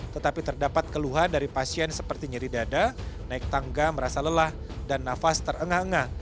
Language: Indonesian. tetapi terdapat keluhan dari pasien seperti nyeri dada naik tangga merasa lelah dan nafas terengah engah